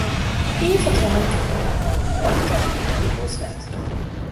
Ien fan twaen kin wol, allebeide tagelyk lykwols net.